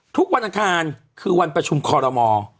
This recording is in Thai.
ทุกวันอาคารคือวันประชุมคอลโลมอล์